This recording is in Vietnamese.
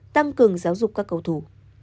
tăng cường giáo dục các cầu thủ